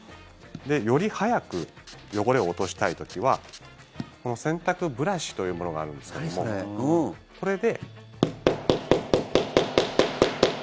より早く汚れを落としたい時はこの洗濯ブラシというものがあるんですけれどもこれで。